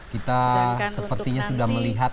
kita sepertinya sudah melihat